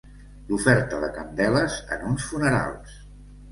L'oferta de candeles en uns funerals.